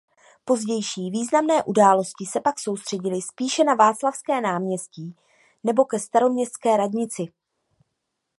Pozdější významné události se pak soustředily spíše na Václavské náměstí nebo ke Staroměstské radnici.